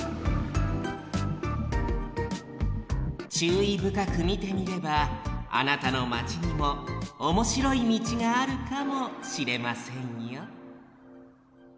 ちゅういぶかくみてみればあなたのマチにもおもしろいみちがあるかもしれませんよ